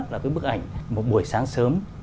là bức ảnh một buổi sáng sớm